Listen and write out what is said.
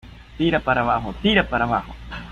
¡ tira para abajo! ¡ tira para abajo !